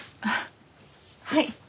あっはい。